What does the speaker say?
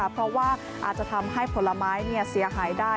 เพราะว่าอาจจะทำให้ผลไม้เสียหายได้